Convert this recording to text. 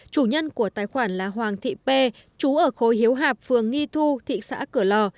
chủ nhân của tài khoản là hoàng thị pê chú ở khối hiếu hạp phường nghi thu thị xã cửa lò